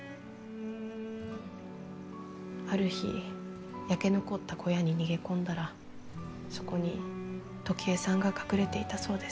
ある日焼け残った小屋に逃げ込んだらそこに時恵さんが隠れていたそうです。